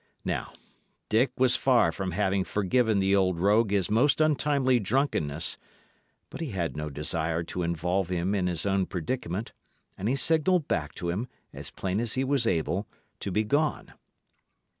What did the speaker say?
Now, Dick was far from having forgiven the old rogue his most untimely drunkenness, but he had no desire to involve him in his own predicament; and he signalled back to him, as plain as he was able, to begone.